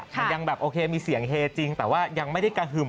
มันยังแบบโอเคมีเสียงเฮจริงแต่ว่ายังไม่ได้กระหึ่ม